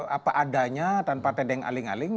apa adanya tanpa tedeng aling aling